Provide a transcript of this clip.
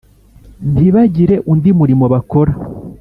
ntibagire undi murimo bakora